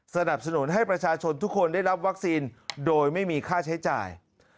สนับสนุนให้ประชาชนทุกคนได้รับวัคซีนโดยไม่มีค่าใช้จ่าย